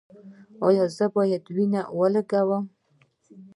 ایا زه باید وینه ولګوم؟